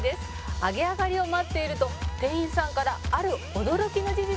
「揚げ上がりを待っていると店員さんからある驚きの事実が伝えられます」